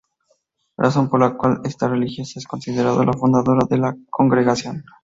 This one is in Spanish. Razón por la cual, esta religiosa es considerada la fundadora de la congregación.